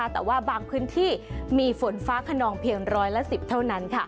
แต่ว่าบางพื้นที่มีฝนฟ้าขนองเพียงร้อยละ๑๐เท่านั้น